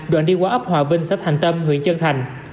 đoạn đi qua ấp hòa vinh sách hành tâm huyện trân thành